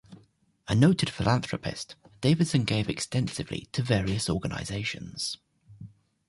A noted philanthropist, Davidson gave extensively to various organizations.